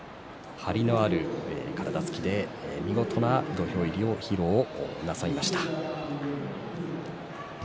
張りのある体つきで見事な土俵入りを披露なさいました。